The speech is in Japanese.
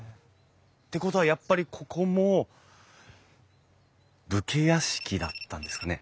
ってことはやっぱりここも武家屋敷だったんですかね？